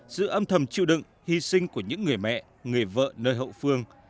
sự âm thầm chịu đựng hy sinh của những người mẹ người vợ nơi hậu phương